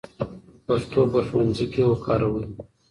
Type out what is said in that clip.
پښتو په ښوونځي کې وکاروئ.